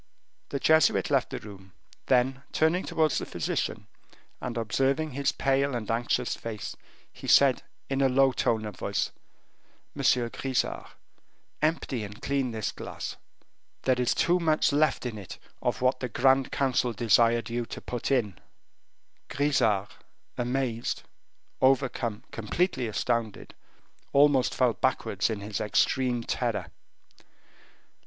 The Jesuit left the room. Then, turning towards the physician, and observing his pale and anxious face, he said, in a low tone of voice: "Monsieur Grisart, empty and clean this glass; there is too much left in it of what the grand council desired you to put in." Grisart, amazed, overcome, completely astounded, almost fell backwards in his extreme terror.